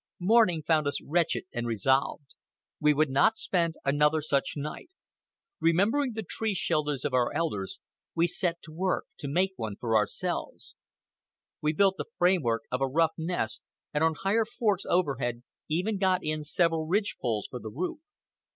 Morning found us wretched and resolved. We would not spend another such night. Remembering the tree shelters of our elders, we set to work to make one for ourselves. We built the framework of a rough nest, and on higher forks overhead even got in several ridge poles for the roof.